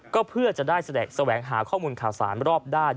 ก็เพื่อจะได้แสวงหาข้อมูลข่าวสารรอบด้าน